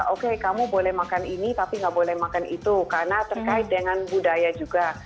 oke kamu boleh makan ini tapi nggak boleh makan itu karena terkait dengan budaya juga